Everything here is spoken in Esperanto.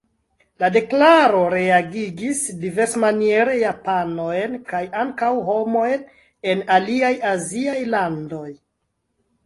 La deklaro reagigis diversmaniere japanojn kaj ankaŭ homojn en aliaj aziaj landoj.